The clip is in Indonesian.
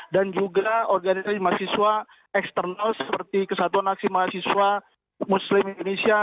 dan juga organisasi mahasiswa eksternal seperti kesatuan aksi mahasiswa muslim indonesia